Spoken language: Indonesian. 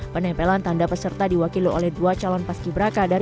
penempelan tanda peserta diwakili oleh dua calon paski beraka dari